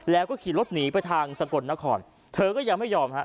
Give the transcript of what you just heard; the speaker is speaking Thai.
แล้วก็ขี่รถหนีไปทางสกลนครเธอก็ยังไม่ยอมฮะ